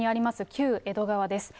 旧江戸川です。